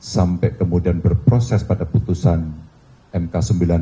sampai kemudian berproses pada putusan mk sembilan puluh sembilan